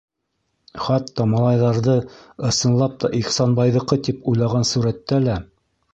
Хатта малайҙарҙы ысынлап та Ихсанбайҙыҡы тип уйлаған сүрәттә лә...